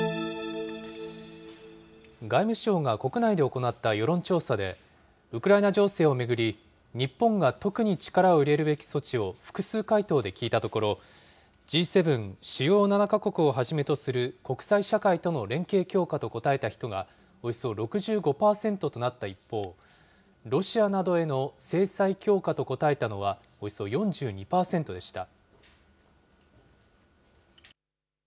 外務省が国内で行った世論調査で、ウクライナ情勢を巡り、日本が特に力を入れるべき措置を複数回答で聞いたところ、Ｇ７・主要７か国をはじめとする国際社会との連携強化と答えた人が、およそ６５％となった一方、ロシアなどへの制裁強化と答えたのはおよそ４２％でした。